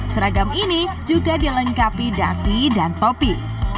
seragam ini juga dilengkapi dasi dan topi